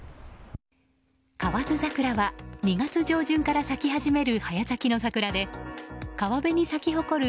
河津桜は２月上旬から咲き始める早咲きの桜で川辺に咲き誇る